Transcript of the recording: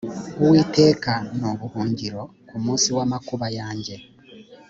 uwiteka ni ubuhungiro ku munsi w’amakuba yanjye